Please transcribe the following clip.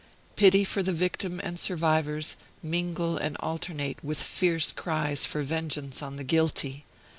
Pity for the victim and survivors mingle and alternate with fierce cries for vengeance on the guilty.